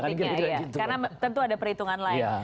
nah itulah permainan politik berikutnya